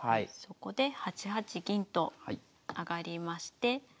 そこで８八銀と上がりまして。